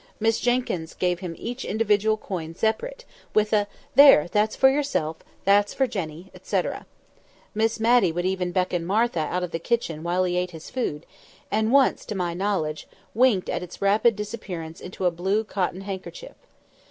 Miss Jenkyns gave him each individual coin separate, with a "There! that's for yourself; that's for Jenny," etc. Miss Matty would even beckon Martha out of the kitchen while he ate his food: and once, to my knowledge, winked at its rapid disappearance into a blue cotton pocket handkerchief.